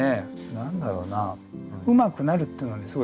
何だろうな。